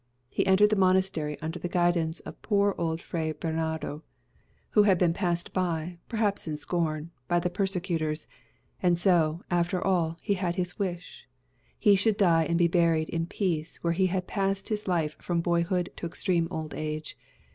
He entered the monastery under the guidance of poor old Fray Bernardo, who had been passed by, perhaps in scorn, by the persecutors: and so, after all, he had his wish he should die and be buried in peace where he had passed his life from boyhood to extreme old age.